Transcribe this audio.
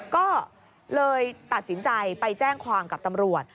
ก็เลยตัดสินใจไปแจ้งความกับตำรวจ